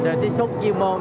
để tiếp xúc chiêu quân